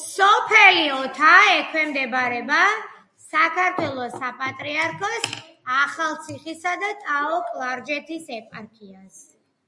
სოფელი ოთა ექვემდებარება საქართველოს საპატრიარქოს ახალციხისა და ტაო-კლარჯეთის ეპარქიას.